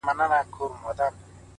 مهربان الفاظ ژور اغېز لري